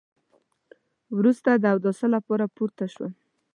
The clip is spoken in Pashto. وروسته د اوداسه لپاره پورته شوم.